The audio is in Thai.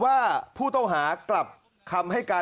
ว่าผู้ต้องหากลับคำให้การ